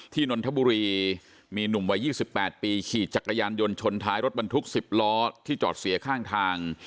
นนทบุรีมีหนุ่มวัย๒๘ปีขี่จักรยานยนต์ชนท้ายรถบรรทุก๑๐ล้อที่จอดเสียข้างทาง